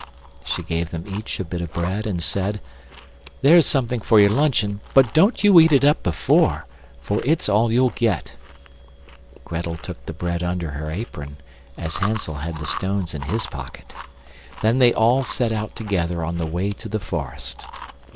She gave them each a bit of bread and said: "There's something for your luncheon, but don't you eat it up before, for it's all you'll get." Grettel took the bread under her apron, as Hansel had the stones in his pocket. Then they all set out together on the way to the forest.